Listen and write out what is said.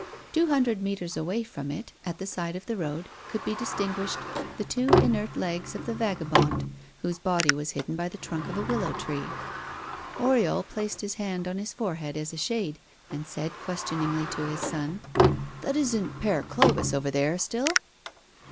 Two hundred meters away from it, at the side of the road could be distinguished the two inert legs of the vagabond, whose body was hidden by the trunk of a willow tree. Oriol placed his hand on his forehead as a shade, and said questioningly to his son: "That isn't Père Clovis over there still?"